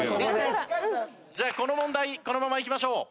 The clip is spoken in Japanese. じゃあこの問題このままいきましょう。